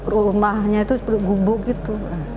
rumahnya itu seperti gubuk gitu